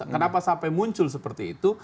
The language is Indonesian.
kenapa sampai muncul seperti itu